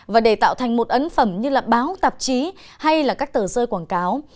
và để tạo thành một ấn phẩm như là báo tạp chí hay là các tờ rơi quảng cáo